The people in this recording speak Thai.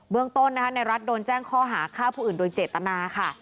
เมืองต้นในรัฐโดนแจ้งข้อหาฆ่าผู้อื่นโดยเจตนาค่ะ